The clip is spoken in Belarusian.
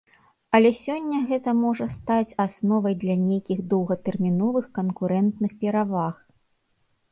Але сёння гэта можа стаць асновай для нейкіх доўгатэрміновых канкурэнтных пераваг.